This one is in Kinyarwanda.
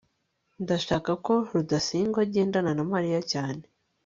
ndashaka ko rudasingwa agendana na mariya cyane